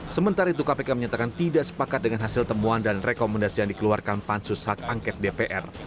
sementara itu kpk menyatakan tidak sepakat dengan hasil temuan dan rekomendasi yang dikeluarkan pansus hak angket dpr